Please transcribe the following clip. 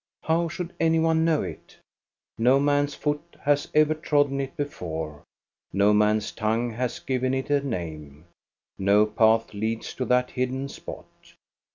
How should any one know it? No man's foot has ever trodden it before; no man's tongue has given it a name. No path leads to that hidden spot.